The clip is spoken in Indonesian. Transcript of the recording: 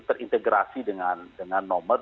terintegrasi dengan nomor